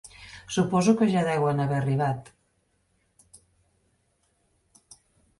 Suposo que ja deuen haver arribat.